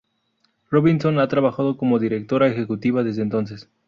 Robinson ha trabajado como Directora Ejecutiva desde entonces.